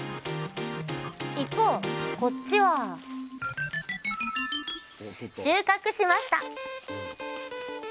一方こっちは収穫しました！